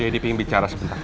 daddy pingin bicara sebentar